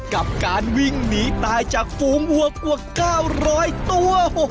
กับการวิ่งหนีตายจากฝูงวัวกว่า๙๐๐ตัว